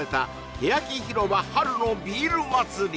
けやきひろば春のビール祭り